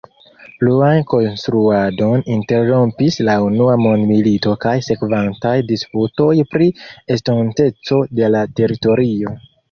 Pluan konstruadon interrompis la unua mondmilito kaj sekvantaj disputoj pri estonteco de la teritorio.